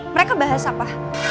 mereka bahas apa